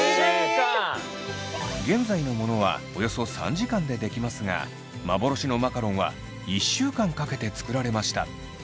現在のものはおよそ３時間で出来ますが幻のマカロンは１週間かけて作られました。